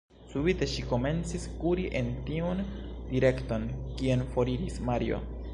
Subite ŝi komencis kuri en tiun direkton, kien foriris Mario.